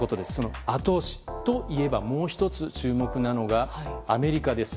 後押しといえばもう１つ注目なのがアメリカです。